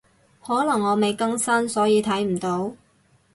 可能我未更新，所以睇唔到